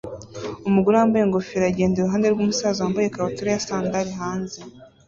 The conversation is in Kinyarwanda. Umugore wambaye ingofero agenda iruhande rwumusaza wambaye ikabutura na sandali hanze